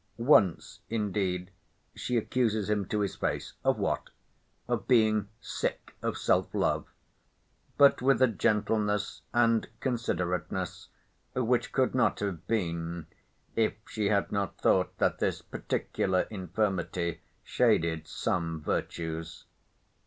Once, indeed, she accuses him to his face—of what?—of being "sick of self love,"—but with a gentleness and considerateness which could not have been, if she had not thought that this particular infirmity shaded some virtues.